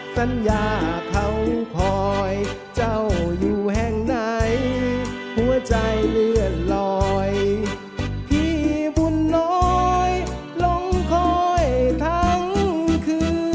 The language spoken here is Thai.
สัญญาเขาคอยเจ้าอยู่แห่งไหนหัวใจเลื่อนลอยพี่บุญน้อยลงคอยทั้งคืน